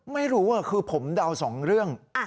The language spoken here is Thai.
ไม่รู้คือผมเดา๒เรื่อง